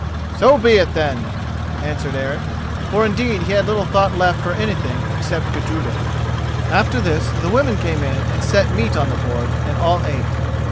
"So be it, then," answered Eric, for indeed he had little thought left for anything, except Gudruda. After this the women came in and set meat on the board, and all ate.